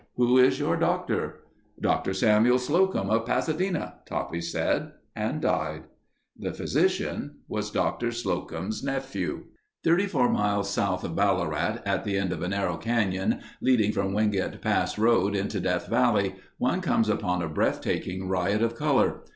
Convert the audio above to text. "Who is your doctor?" "Dr. Samuel Slocum, of Pasadena," Toppy said, and died. The physician was Dr. Slocum's nephew. Thirty four miles south of Ballarat at the end of a narrow canyon leading from Wingate Pass road into Death Valley, one comes upon a breath taking riot of color.